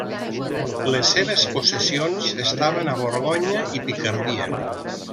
Les seves possessions estaven a Borgonya i Picardia.